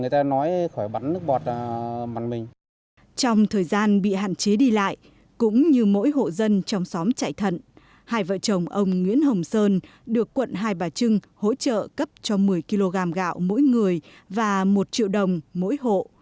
trong thời gian bị hạn chế đi lại cũng như mỗi hộ dân trong xóm chạy thận hai vợ chồng ông nguyễn hồng sơn được quận hai bà trưng hỗ trợ cấp cho một mươi kg gạo mỗi người và một triệu đồng mỗi hộ